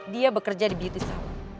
dia bekerja di beauty south